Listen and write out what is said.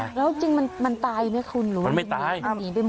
แล้วจริงมันตายไหมคุณหรือมันหนีไปหมด